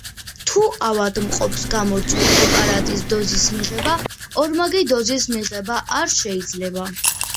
თუ ავადმყოფს გამორჩა პრეპარატის დოზის მიღება, ორმაგი დოზის მიღება არ შეიძლება.